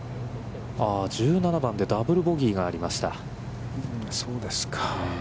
１７番でダブル・ボギーがありました。